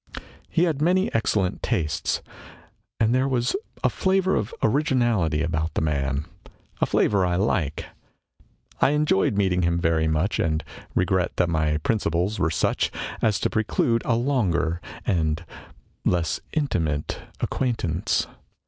He had many excellent tastes, and there was a flavor of originality about the man a flavor I like. I enjoyed meeting him very much, and regret that my principles were such as to preclude a longer and less intimate ac quaintance.